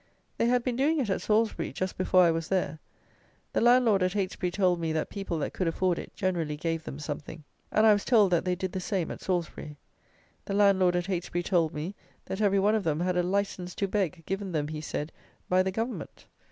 They had been doing it at Salisbury, just before I was there. The landlord at Heytesbury told me that people that could afford it generally gave them something; and I was told that they did the same at Salisbury. The landlord at Heytesbury told me, that every one of them had a license to beg, given them, he said, "by the Government."